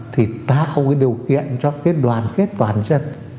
thì tạo cái điều kiện cho cái đoàn kết toàn dân